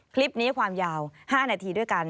คลิปนี้ความยาว๕นาทีด้วยกัน